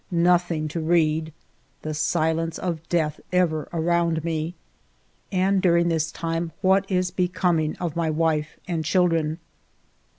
Nothing to read ! The silence of death ever around me ! And during this time what is becoming of my wife and children